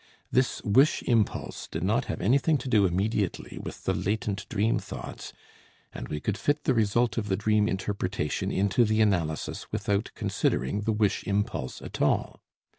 This wish impulse did not have anything to do immediately with the latent dream thoughts, and we could fit the result of the dream interpretation into the analysis without considering the wish impulse at all.